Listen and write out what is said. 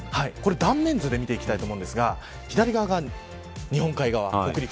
断面図で見ていきたいと思うんですが左側が日本海側北陸